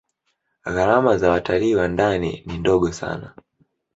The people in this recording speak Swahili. gharama za watalii wa ndani ni ndogo sana